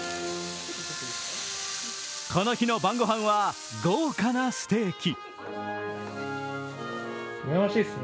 この日の晩ご飯は豪華なステーキ。